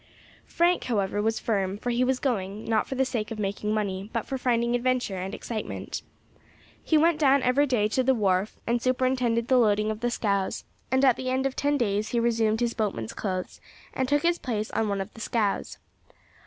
Frank, however, was firm, for he was going, not for the sake of making money, but of finding adventure and excitement. He went down every day to the wharf and superintended the loading of the scows, and at the end of ten days he resumed his boatman's clothes and took his place on one of the scows.